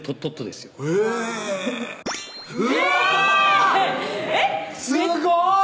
すごい！